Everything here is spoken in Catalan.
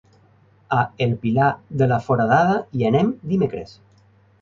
A el Pilar de la Foradada hi anem dimecres.